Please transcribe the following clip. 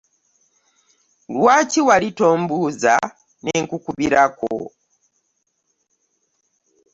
Lwaki wali tombuuza ne nkubbirako?